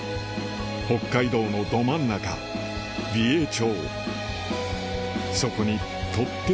北海道のど真ん中美瑛町